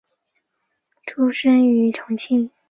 出生于重庆。